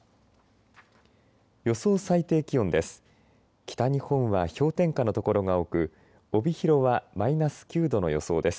予想最低気温です。